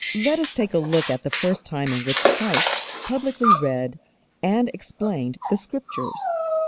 Let us take a look at the first time in which Christ publicly read and explained the Scriptures.